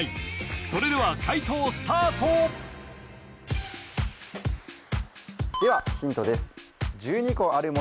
それでは解答スタートではヒントです